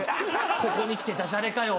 ここにきてダジャレかよ。